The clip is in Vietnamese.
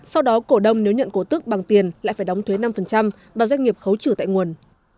sau đó cổ đông nếu nhận cổ tức bằng tiền lại phải đóng thuế năm và doanh nghiệp khấu trừ tại nguồn